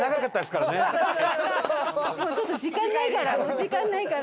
ちょっと時間ないから。